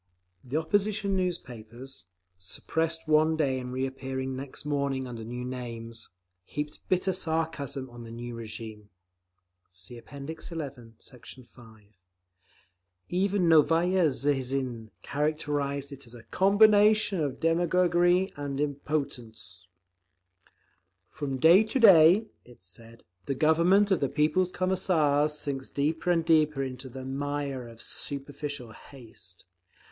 The opposition newspapers, suppressed one day and reappearing next morning under new names, heaped bitter sarcasm on the new regime. (See App. XI, Sect. 5) Even Novaya Zhizn characterised it as "a combination of demagoguery and impotence." From day to day (it said) the Government of the People's Commissars sinks deeper and deeper into the mire of superficial haste.